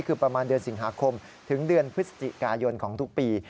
คือประมาณเดือนสิงหาคมถึงเดือนพฤศจิกายนของทุกปี